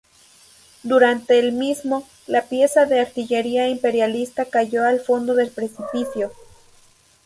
Durante el mismo, la pieza de artillería imperialista cayó al fondo del precipicio.